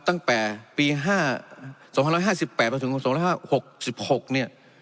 ตั้งแต่ปีห้าสองพันห้าร้ายห้าสิบแปดสองพันห้าร้ายห้าหกสิบหกเนี่ย